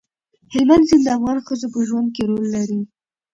هلمند سیند د افغان ښځو په ژوند کې رول لري.